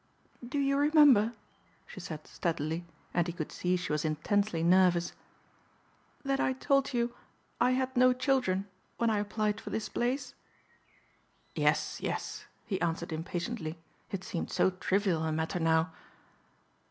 "Do you remember," she said steadily and he could see she was intensely nervous "that I told you I had no children when I applied for this place?" "Yes, yes," he answered impatiently. It seemed so trivial a matter now.